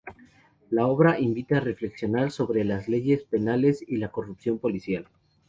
La obra invita a reflexionar sobre las leyes penales y la corrupción policial.